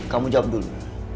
kamu jawab dulu